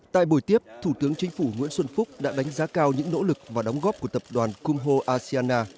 tại buổi tiếp thủ tướng chính phủ nguyễn xuân phúc đã đánh giá cao những nỗ lực và đóng góp của tập đoàn kumho asiana